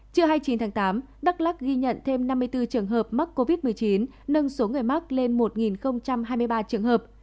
trưa hai mươi chín tháng tám đắk lắc ghi nhận thêm năm mươi bốn trường hợp mắc covid một mươi chín nâng số người mắc lên một hai mươi ba trường hợp